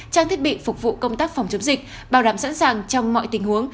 trang thiết bị phục vụ công tác phòng chống dịch bảo đảm sẵn sàng trong mọi tình huống